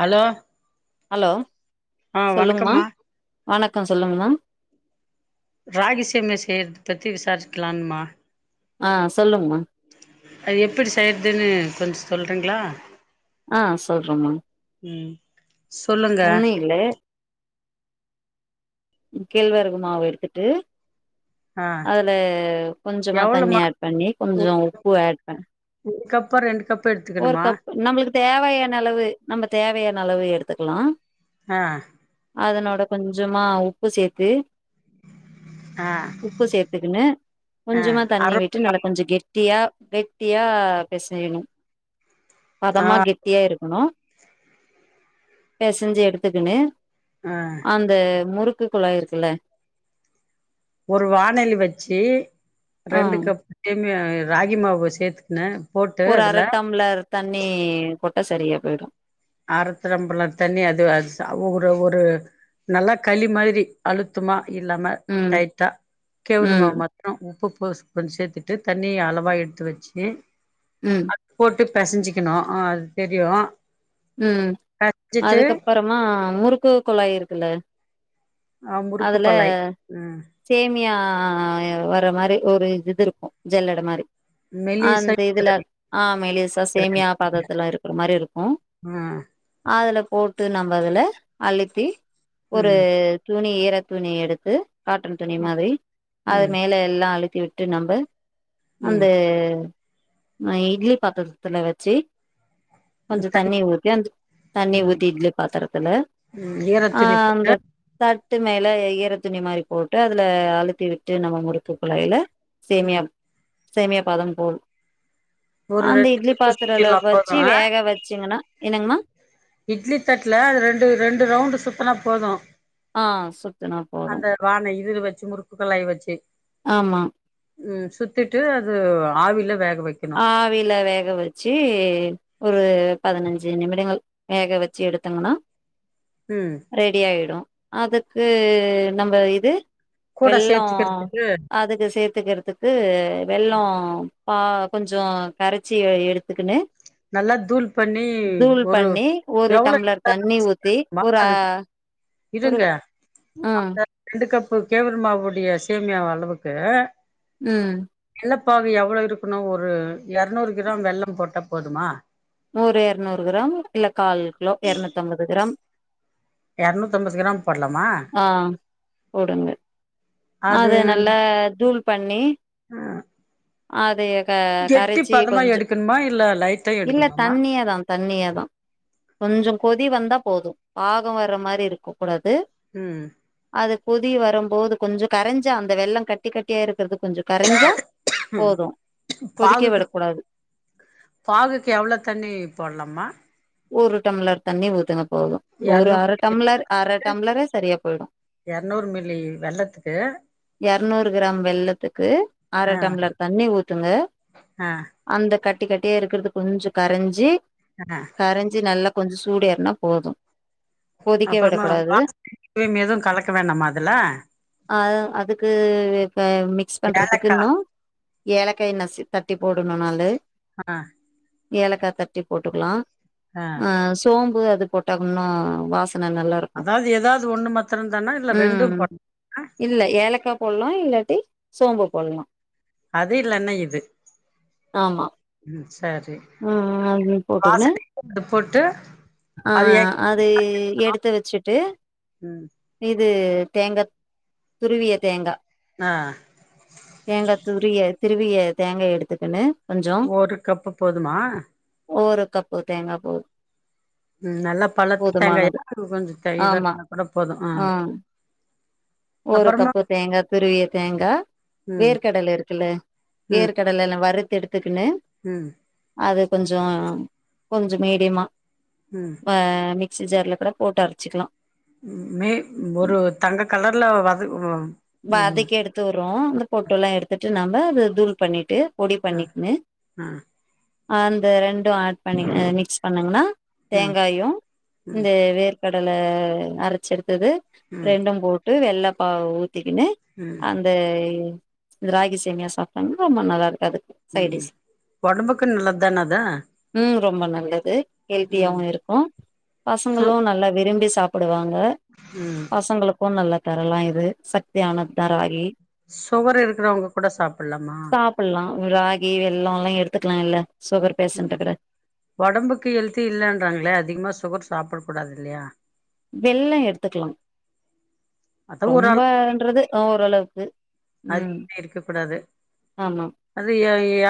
hello hello ஆ சொல்லுங்மா வணக்கம்மா வணக்கம் சொல்லுங்க மா ராகி சேமியா செய்றது பத்தி விசாரிச்சுக்கலான்மா ஆ சொல்லுங்மா அது எப்படி செய்றதுனு கொஞ் சொல்றெங்களா ஆ சொல்றம்மா சொல்லுங்க [unintelligible] கேழ்வரகு மாவு எடுத்துட்டு ஆ அதுல கொஞ்சமா தண்ணி எவ்வளோமா ஆட் பண்ணி கொஞ்சொ உப்பு ஆட் பண் ப ரெண்டு கப் ஒரு கப்பு நம்ளுக்கு தேவையான அளவு நம்ப தேவையா னளவு எடுத்துக்கலா ஆ அதனோட கொஞ்சமா உப்பு சேத்து ஆ உப்பு சேத்துக்குனு ஆ கொஞ்சமா அர தண்ணி விட்டு நல்லா கொஞ்ச கெட் டியா கெட்டியா பெசயணு ஆ பதமா கெட்டியா இருக்கணு பெசஞ்சு எடுத்துக்குனு ஆ அந்த முறுக் க்கு குழாய் இருக்குல்ல ஒரு வானலி வச்சி ஆ ரெண்டு கப் ராகி மாவு சேத்துக்குன்னு ஒரு அர டம்ளர் தண்ணி கொ சரியா போயிடு அர தம்ளர் தண்ணி அது அது ச ஒரு ஒரு நல்லா களி மாரி அழுத்தமா இல்லாம ம் டைட்டா கெவுரு ம் மாவு மத்ர உப்பு கொ கொஞ்சோ சேத்துட்டு தண்ணியை அளவா எடுத்து வச்சி ம் அது போட்டு பெசஞ்சிக்கணு அது தெரியு உம் பெசஞ்சிட்டு அதுக்கப்பறமா முறுக்கு குழாய் இருக்குல ஆ முறுக்கு அதுல கொழாய் ம் சேமியா ஆ வர மாரி ஒரு இது இருக்கு ஜல்லடை மாரி மெலிசா அந்த இதுல ஆ மெலிசா சேமியா பதத்துல இருக்குற மாரி இருக்கு ம் அதுல போட்டு நம்ம அதுல அழுத்தி ஒரு ம் துணி ஈரத்துணி எடுத்து காட்டன் துணி மாதிரி அது ம் மேல எல்லா அழு விட்டு நம்ப அந்த ம் ஆ இட்லி பாத்திரத்துல வெச்சு கொஞ்சோ தண்ணி ஊ தண்ணி ம் ஊத்தி இட்லி பாத்திரத்துல ம் ஈர துணி போட்டு தட்டு மேல ஈற துணி மாரி போட்டு அதுல அழுத்தி விட்டு நம்ம முறுக்கு குழாயில சேமியா சேமியா பதம் போல் ஒரு அந்த ரெண்டு இட்லி சுத்து பாத்திரல சுத்திர்லா வச்சி போது வேக வெச்சிங்கன்னா இட்லி தட்ல அது ரெண்டு ரெண்டு ரவுண்டு சுத்தனா போது ஆஹ் சு அந்த வான இருக வச்சு முறுக் குழாய் வச்சி ஆமா உம் சுத்திட்டு அது ஆவில வே ஆஹவியில வேக வச்சு ஒரு பதினஞ்சு நிமிடங்கள் வேக வச்சு எத்துங்கனா ம் ரெடி ஆயிடும் அதுக்கு நம்ம இது கூட வெள்ளம் சேத்துக்கிறதுக்கு அதுக்கு சேர்த்துக்கிறதுக்கு வெள்ளம் ஆஹ் கொஞ்சம் கரைச்சி எடுத்துக்கனுு நல்லா தூள் பண்ணி ஒரு பண்ணி ஒரு டம்ளர் எவ்ளவு தண்ணி ஊத்தி ஒரு அ அது ஒரு இருங்க ஆ ரெண்டு கப் இப்ப கேவிர மாவுடைய சேமியா அளவுக்கு உம் வெள்ளப்பாகு எவ்வளோ இருக்கணும் ஒரு இரநூறு கிராம் வெள்ளம் போட்ட போதுமா ஒரு இரநூறு கிராம் இல்ல கால் கிலோ இரநூத்தி ம்பது கிராம் இரநூத்தி ம்பது கிராம் போடலாமா அது அத நல்லா தூள் பண்ணி அ அதேே கெட்டி கரைச்சி பதமா கொஞ்சம் எடுக்கணுமா இல்ல லைட்டா இல்ல எடுக்கணுமாமா தண்ணியே தான் தண்ணிய தான் கொஞ்சம் தி வந்தா போதும் பாகம் வர்ற மாதிரி இருக்க கூடாது உம் அது கொதி வரும்போது கொஞ்சம் கரைஞ்ச அந்த வெள்ளம் கட்டி கட்டியா இருக்கிறதுக்கு கொதிக்க பாகுக்கு விடக்கூடாது பாகுக்கு எவ்வளவு தண்ணி போடலாமா ஒருஊ டம்ளர் தண்ணி ஊதுங்க போகும் ஒரு அரை எரநூறு டம்ளர் அரைரை டம்ளரே சரியா போயிடும் எரநூறு மில்லி வெல்லத்துக்கு ய அறுநூறு கிராம் வெள்ளத்துக்கு அரை ஆ டம்ளர் தண்ணி ஊத்துங்க ஆ அந்த க வட்ட கட்டியே இருக்கிறது கொஞ்சம் கரைஞ்சி ஆஹமா கரைஞ்சி நல்லா கொஞ்சம் சூடியறனா போதும் கொதிக்க அப்புறமா விடக்கூடாது வாசனை எதுவும் கலக்க வேண்டாமா அதுல அ அதுக்கு மிக்ஸ் பண்றதுக்கு ஏலக்கா இன்னும் ஏலக்காய நசி தட்டி போடணும்னால ஆஹ் ஏலக்காய் தட்டி போட்டுக்கலாம் ஆ ஆஹ் சோம் அது போட்டானும் வாச அதாவது ஏதாவது ஒண்ணு மத்திரம் தானா இல்ல ரெண்டும் ம் பண்ணும் இல்ல ஏலக்காய் போடலாம் இல்லாட்டி சோம்பு போடலாம் அது இல்லன்னா இது உம் ஆஹ அ போட்டுக்கண்ண வாசனைக்கு இது போட்டு அது எ ஆஹ் அது எடுத் த்து வச்சுட்டு உம் இது தேங்காய் துருவிய தேங்காய் ஆ தேங்க தூரியா திருவியை தேங்காய் எடுத்துக்கனு ஒரு கப்பு போதுமா ஒரு கப்பு தேங்காய பொதும் உம் நல்லா பழத்து தேங்காய்க்கு கொஞ்சம் ஆமா இதான்ன கூட போதும் ஆ ஆஹ் ஒரு கப்பு தேங்காய் துருவிய தேங்காய் ம் வேர்க்கடல இருக்குல்ல வேர்க்கடல்ல்லாம் வறுத்த எடுத்துக்குனு உம் அது கொஞ்சம் கொஞ்சம் மீடியமா ம் ப்ப மிக் சி்ஜரில் கூட போட்டு அரைச்சிக்கலாம் மே ஒரு தங்க கலர் ல வது ரோ அந்த பொட்டுல்லாம் எடுத்துட்டு நம்ம அதை தூள் பண்ணிட்டு பொடி ம் பண்ணிக்னு ம் ஆந்த ரெண் ஏட் பண்ணி மிக்ஸ் பண்ணங்கன்னா ம் தேங்காயும் ம் இந்த வேர் கடலை அரைச்சடுத்து டுத்தது ரெண்டும் போ வெள்ளப்பஊ க்குனு ம் அந்த ராகி சேமியா சாப்பிட்டாங்க ரொம்ப நல்லா இருக்கும் உம் உடம்புக்கு நல்லது தானாத ம் ரொம்ப நல்லது ஹெல்த்தியாவும் இருக்கும் சு பசங்களும் நல்லா விரும்பி சாப்பிடுவாங்க ம் பசங்களுக்கும் நல்லா தரல்லாம் இது சத்து ஆனதுதா ராகி சுகர் இருக்கிறவங்க கூட சாப்பிடலாமா சாப்பிடலாம் ராகி வெள்ளம் எல்லாம் எடு பத்துக்கலாம்ல்ல உம் உடம்புக்கு எழுத்த இல்லன்றாங்களே அதிகமா சுகர் சாப்பிட கூடாது இல்லையா வெள்ளம் எடுத்துக்கலாம் அத ரொம்பன்றது ஓரளவு ச அ இருக்க கூடாது ஆமா அது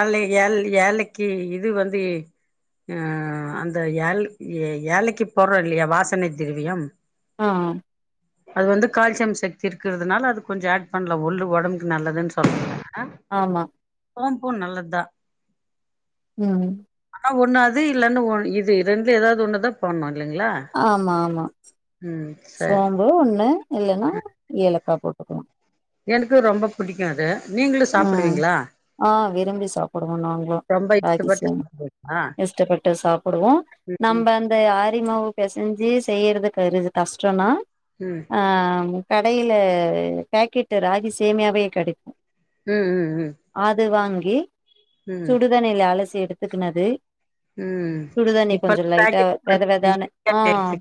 ஏழ ஏ ஏழக்கு இது வந்து அஹ் அந்த ஏ ஏழக்கு போடுறோம் இல்லையா வாசனை திரவியம் ஆஹ் அது வந்து கால்சியம் சக்தி இருக்கறிறதுனால அது கொஞ்சம் ஆட் பண்ணலாம் ஒு வடம் நல்லதுன்னு சொல்லற ஆமா போபூ நல்லது தான் உம் ஒண்ணு அது இல்லன்னு ஒ இது ரெண்டுல ஏதாவது ஒண்ணுதான் போண்ணும் ஆமா ஆமா ம் சரி சோம்பு ஒண்ணு இல்லைன்னா ஏல சாப்பாடுட்டுக்கணும் எனக்கு ரொம்ப புிடிக்கும் அது நீங்களு உஹம் சாப்பிடுவீங்களா ஆஹ் விரும்பி சாப்பிடுவோம் நாங்களும் ரொம்ப இஷ்டப்பட்டு ராகிசம் சாப்டுவீங்களா இஷ்டப்பட்டு சாப்பிடுவோம் ம் நம்ம அந்த ஆரிமாவு பசைஞ்ச ஜி செய்யறதுக்குருது கஷ்டம்னா ம் ஆஹ் கடையில பேக்கெட்டு ராகி சேமையாவே கிடைக்கும் உம் உம் உம் சுடுதான இல்லலை ஆ எடுத்துக்கனது ம் சுடுதண்ணி இப்ப கொஞ்சம் லைட்டா பேக்கெட் வெத வெதானனு ஆஹ்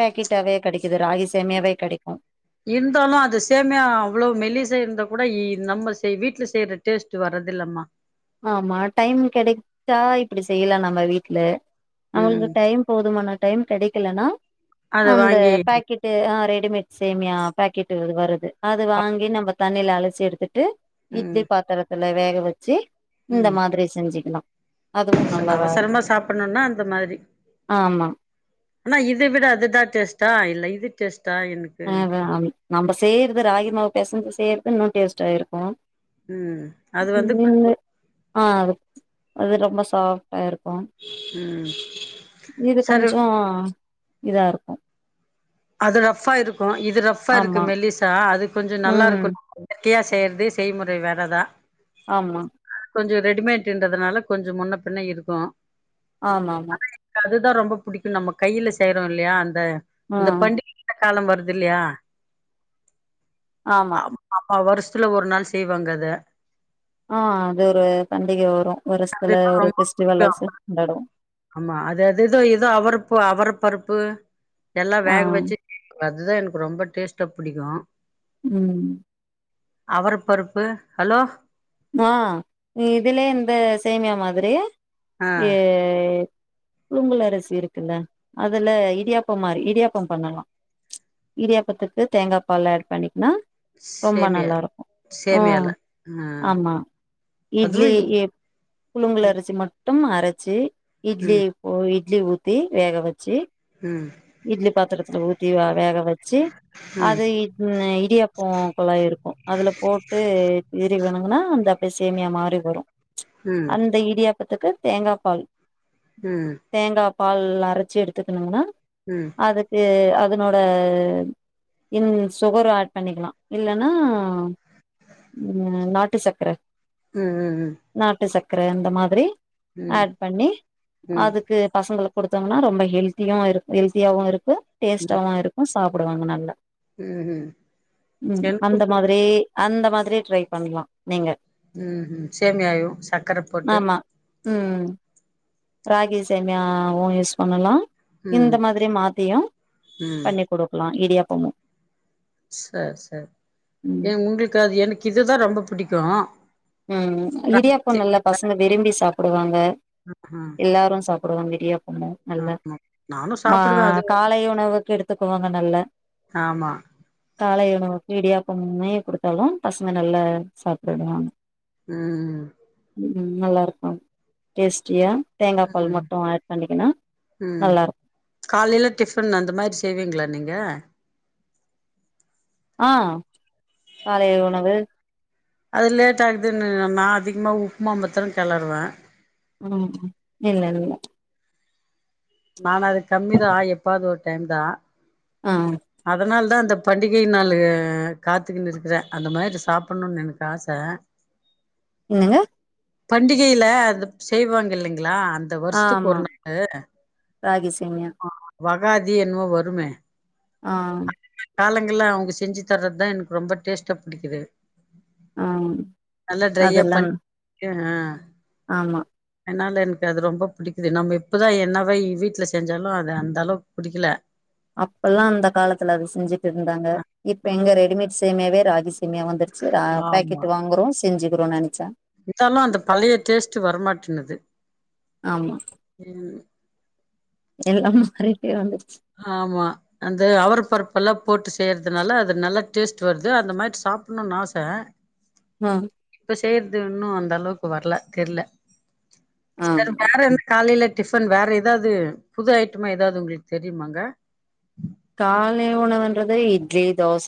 பேக்கெட்டாவே கிடைக்கும் இது ராகி சேமையாவே கிடைக்கும் இருந்தாலும் அது சேமையா அவ்வளவு மெலிச இருந்தா கூட நம்ம வீட்டுல செய்யற டேஸ்ட் வரதில்லமா ஆமா டைம் கிடைச்சா இப்படி செய்யலாம் நம்ம வீட்டு்ல அவங்களுக்கு ம் டைம் போதுமான டைம் கிடைக்கும் லனா அத அந்த வாங்கி பாக்கெட்டு ஆஹ மட் சேமியா பாக்கெட வருது அது வாங்கி நம்ம தண்ணில அழச்சி எடுத்துட்டு ம் இடல பாத்திரத்தை அத வேக வச்சு இந்த ம் மாதிரி செஞ்சிக்கலாம் அவசரமா சாப்பிடணும்னா அந்த மாதிரி ஆமா ஆனா இதை விட அதுதான் டேஸ்ட் அதான் இல்ல இது டேஸ்ட் ஆஹா ஆம் நம்ம செய்யருது ராகி மாவு பெசஞ்சி செயறுது இன்னும் டேஸ்டா இருக்கும் உம் அது வந்து ஆ அது அது ரொம்ப சாப் இருக்கும் ம் இது சரி கொஞ்சம் இதா இருக்கும் அது ரப்பா இருக்கு இது ரஃபா இருக்கு மெல்லிசா அதுக் கொஞ்சம் நல்லா ம் இருக்கணும் கியா செய்யறது செய்முறை வேறதா ஆமா கொஞ்சம் ரெடிமேடன்றதுனால கொஞ்சம் முன்ன பின்ன இருக்கும் ஆமா-ஆமா இதான் ரொம்ப பிடிக்கும் நம்ம கையில செய்யறோம் இல்லையா அந்த ஆ இந்த பண்டிகைல காலம் வருது இல்லையா ஆமா ஆஹ் வருஷத்துல ஒரு நாள் செய்வாங்க அத ஆஹ் அது ஒரு பண்டிகை வரும் வருஷத்துல அதுதா ஒரு ரொம்ப பெஸ்டிவல் புடிக்கு கொண்டாடுவம் ஆமா பு எல்லாம் வேக வச்சு [unintelligible] அதுதான் எனக்கு ரொம்ப டேஸ்ட் தான் புடிக்கும் உம் அவரபருப்பு ஹலோ ஆஹ் இதுலே இந்த சேமியா மாதிரி ஆ ஏ புழுங்கல் அரிசி இருக்குல்ல அதுல இடியாப்பம் மாறி இடியாப்பம் பண்ணலாம் ப்ச் இடியாப்பத்துக்கு தேங்கா பால் ஆட் பண்ணிக்கலா சேமியா ம் சேமியால அஹ ஆமா இட்லி புழுங்கல் அரிசி மட்டு மட்டும் அரச்சு இட்லி ம் இப்போ இட் இட்லி ஊத்தி வேக வெச்சு ம் இட்லி பாத்திரத்துல ஊத்தி வேக வெச்சு ம் அது இ இடியாப்போ குழாய் இருக்கு அதுல போட்டு ஏரி வணுங்கன்னா அந்த அப்ப சேமியா மாறி வரும் ப்ச் ம் அந்த இடியாப் பத்துக்கு தேங்கா பால் ம் தேங்கா பால் அரச்சு எடுத்துக்கணுங்கன்னா ம் அதுக்கு அ அதனோட இன் சுகரு ஆட் பண்ணிக்கனு இல்லனா உ நாட்டு சக்கர உம் உம் உம் க்கர அந்த மாதிரி ஆட் பண்ணி ம் அதுக்கு பசங்களுக்கு குடுத்தோங்கன்னா ரொம்ப ஹெல்தியா இருக்கு ஹெல்தியாவு இருக்கு டேஸ்ட்டாவு இருக்கு சாப்பிடுவாங்க நல்லா உம் எனக்கு அந்த மாதிரி அந்த மாதிரி ட்ரை பண்லா நீங்க உம் ஹூம் சேமியாவியு சர்க்கர போட்டு உம் ராகி சேமியாவு யூஸ் பண்ணலா ம் இந்த மாதிரி மாத்தியு பண்ணி் குடுக்கலா இடியாப் ஆமா சரி சரி எ ம் உங்களுக்கு அது என்க்கு இதுதா ரொம்ப பிடிக் கு உம் இரியாப்போ நல்லா பசங்க விரும்பி சாப் போடுவாங்க ஆ எல்லாரு சாப் குடுங்க இடியா நல்ல ஆமா நானு மா சாப்பிடுவே அது காலை உணவுக்கு எடுத் கத்துக்குவாங்க நல்ல ஆமா காலை உணவு இடியாப்பமுமே குடுத்தாலு பசங்க நல்ல சாப்பிடுவாங்க ம் ம் நல்லாருக்கு டேஸ்ட்டியா தேங்காபால் ம் மட்டு ஆட் பண்ணிக்கனு ம் நல்லாருக்கு காலைல டிஃபன் அந்த மாரி செய்விங்ளா நீங்க ஆ காலை உணவு அது லேட் ஆகுதுனு நா அதிகமா உப்மா மாத்ரோ கெளறுவ ம் இல்ல இல்ல நானு அது கம்மிதா எப்பாவது ஒரு டைம் தா அ அதனால் தா அந்த பண்டிகை நாளு காத்துக்குனு இருக்குற அந்த மாதிரி சாப்புணோனு எனக்கு ஆச என்னங்க பண்டிகையில அதுப் செய்வாங்க இல்லைங்களா அந்த வருஷத்துக்கு ஆமா ஒரு நாளு ராகி சேமியா ஆ வகாதி என்னமோ வருமே ஆ காலங்கள்லா அவுங்க செஞ்சு தர்றதுதா எனக்கு ரொம்ப டேஸ்ட்டா புடிக்குது அ அதெல்லா அ ஆமா என்னால எனக்கு அது ரொம்ப பிடிக்குது நம்ம இப்பதா என்னவ வீட்ல செஞ்சாலு அது அந்த அளவுக்கு பிடிக்குல அப்பல்லா அந்த காலத்துல அது செஞ்சுட்டு இருந்தாங்க அ இப்ப எங்க ரெடிமேட்ஸ் சேமியாவே ராகிஸ் சேமியா வந்துருச்சு ரா பேக்கெட்டு வாங்குறோ செஞ்சி க்குறோ நெனிக் இர்ந்தாலு அந்த பழய டேஸ்ட்டு வரமாட்டுன்னுது ம் எல்லாமே மாறிட்டே வந்து ஆமா அந்த அவரப்பருப்பெல்லா போட்டு செய்யறதுனால அது நல்லா டேஸ்ட் வர்து அந்த மாரி சாப்ணோனு ஆச அ செய்றது இன்னோ அந்த அளவுக்கு வர்ல தெர்ல ஆ சரி வேற என்ன காலைல டிஃபன் வேற எதாவது புது ஐட்டமா எதாவது உங்களுக் தெரியுமாங்க காலை உணவுன்றது இட்லி தோச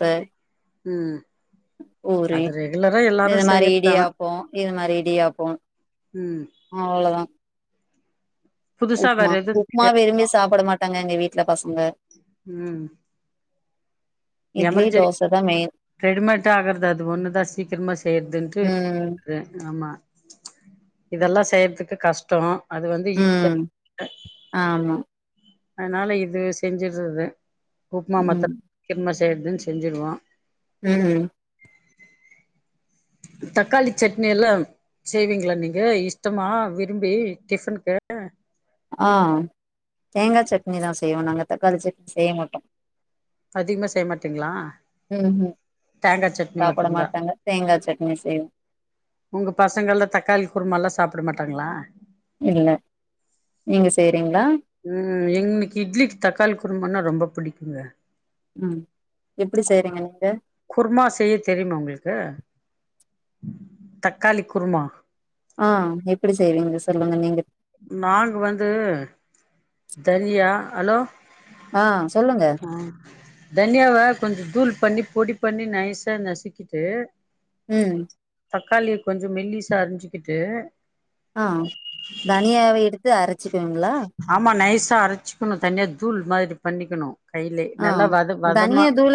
உம் பூரி இது மாரி செய்யறதா இடியாப்போ இது மாரி இடியாப்போ ம் அவ்ளோதா புதுசா வேற உப்மா உப்மாவ விரும்பி சாப்ட மாட்டாங்க எங்க வீட் உம் இட்லி எமர்ஜெர்க் தோச தா மெயின் ரெடிமேட்டா ஆகுறது அது ஒண்ணு தான் சீக்கிரமா செய்றதுன்ட்டு ம் ஆமா இதெல்லா செய்யறதுக்கு கஷ்டோம் ம் ஆமா அதனால இது செஞ்சிடுறது உப்மா மாத்ற ம் [unintelligible] கேக்குதுன்னு செஞ்சுடுவோ ம் தக்காளி சட்னி எல்லா செய்விங்ளா நீங்க இஷ்டமா விரும்பி டிஃபனுக்கு ஆ தேங்காய் சட்னிதா செய்வோ நாங்க தக்காளி சட்னி செய்ய மாட்டோ அதிகமா செய்ய மாட்டிங்ளா ம் ம் தேங்கா சட்னி சாப்ட மாத்திரந்தா மாட்டாங்க தேங்கா சட்னி செய்வோ உங்க பசங்கள்லா தக்காளி குருமா எல்லா சாப் பிட மாட்டாங்ளா இல்ல நீங்க செய்றிங்ளா ம் எங்னக்கு இட்லிக்கு தக்காளி குருமான்னா ரொம்ப பிடிக்குங்க ம் எப்டி செய்றீங்க நீங்க குருமா செய்ய தெரிமா உங்களுக்கு தக்காளி குருமா ஆ எப்படி செய்வீங்க சொல்லுங்க நீங்க நாங்க வந்து தனியா ஹலோ ஆ சொல்லுங்க ஆ தனியாவ கொஞ்ச தூள் பண்ணி பொடி பண்ணி நைசா நசுக்கிட்டு ம் தக்காளிய கொஞ்ச மெல்லிசா அரிஞ்சுகிட்டு ஆ தனியாவ எடு த்து அரைச்சிக்குவிங்ளா ஆ அரைச்சுக்கணு தனியா தூள் மாதிரி பண்ணிக்கணு கைலே ஆ நல்லா வத வதமா தனியா தூள்